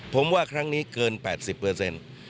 ผมว่าครั้งนี้เกิน๘๐เปอร์เซ็นต์